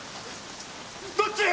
どっち！？